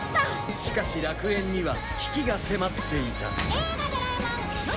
しかし楽園には危機が迫っていた